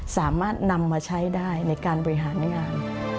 สามารถนำมาใช้ได้ในการบริหารงาน